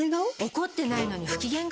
怒ってないのに不機嫌顔？